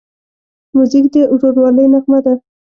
موزیک د ورورولۍ نغمه ده.